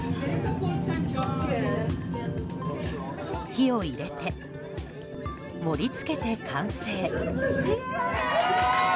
火を入れて、盛り付けて完成。